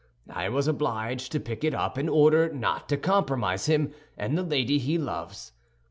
I was obliged to pick it up in order not to compromise him and the lady he loves.